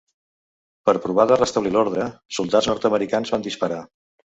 Per provar de restablir l’ordre, soldats nord-americans van disparar.